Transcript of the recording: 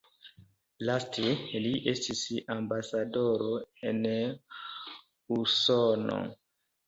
Laste li estis ambasadoro en Usono.